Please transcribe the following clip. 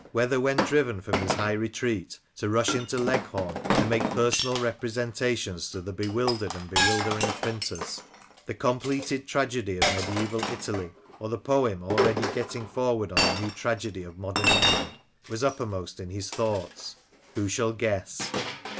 Whether, when driven from his high retreat, to rush into Leghorn and make personal repre sentations to the bewildered and bewildering printers, the completed tragedy of medieval Italy or the poem already getting forward on the new tragedy of modern England, was uppermost in his thoughts, who shall guess